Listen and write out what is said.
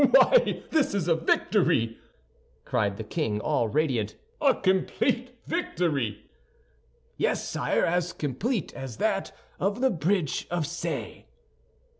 "Why, this is a victory!" cried the king, all radiant, "a complete victory!" "Yes, sire; as complete as that of the Bridge of Ce."